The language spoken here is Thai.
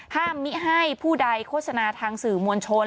มิให้ผู้ใดโฆษณาทางสื่อมวลชน